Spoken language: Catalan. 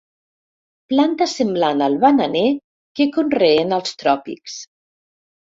Planta semblant al bananer que conreen als tròpics.